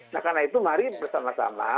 nah karena itu mari bersama sama